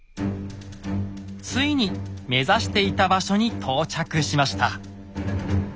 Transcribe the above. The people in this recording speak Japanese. ついに目指していた場所に到着しました。